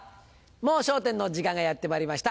『もう笑点』の時間がやってまいりました。